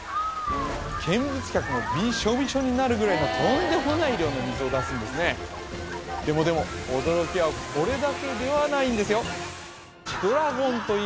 見物客もビショビショになるぐらいのとんでもない量の水を出すんですねでもでも驚きはこれだけではないんですよ